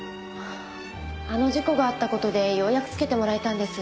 あの事故があった事でようやくつけてもらえたんです。